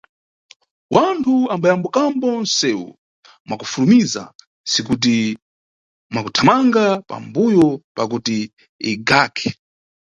Wanthu ambayambukambo nʼsewu mwakufulumiza ntsikuti mwakuthamanga pambuyo pakuti igake.